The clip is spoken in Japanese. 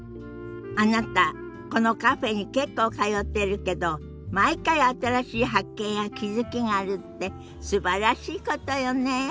あなたこのカフェに結構通ってるけど毎回新しい発見や気付きがあるってすばらしいことよね。